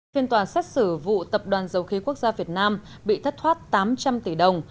phiên tòa xét xử vụ tập đoàn dầu khí quốc gia việt nam bị thất thoát tám trăm linh tỷ đồng